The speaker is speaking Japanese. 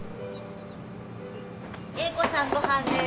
エイ子さんごはんです。